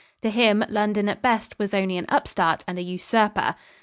To him, London at best was only an upstart and an usurper.